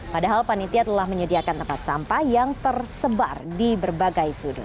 padahal panitia telah menyediakan tempat sampah yang tersebar di berbagai sudut